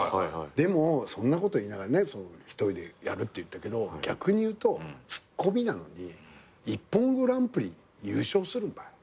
でもそんなこと言いながら１人でやるって言ったけど逆にいうとツッコミなのに『ＩＰＰＯＮグランプリ』優勝するんばい。